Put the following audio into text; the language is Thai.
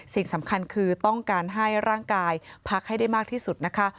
สิ่งสำคัญคือต้องการให้ร่างกายพักให้ได้มากที่สุดนะคะ